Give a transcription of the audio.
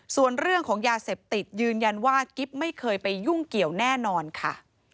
ส่วนเรื่องของยาเสพติดยืนยันว่ากิ๊บไม่เคยไปยุ่งเกี่ยวแน่นอนค่ะ